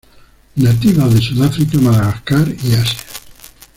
Nativas de Sudáfrica, Madagascar y Asia.